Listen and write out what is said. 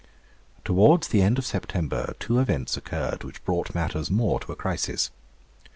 Towards the end of September two events occurred which brought matters more to a crisis.